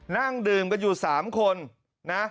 นั่งดื่มกันอยู่๓คนนะ